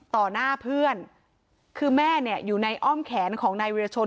หน้าเพื่อนคือแม่เนี่ยอยู่ในอ้อมแขนของนายวิรชน